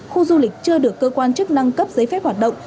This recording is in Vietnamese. khu du lịch chưa được cơ quan chức năng cấp giấy phép hoạt động